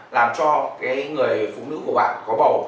làm cho người phụ nữ của bạn có bầu